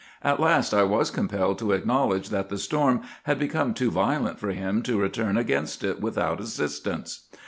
At last I was compelled to acknowledge that the storm had become too violent for him to return against it without assistance.